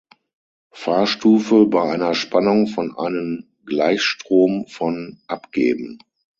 Fahrstufe bei einer Spannung von einen Gleichstrom von abgeben.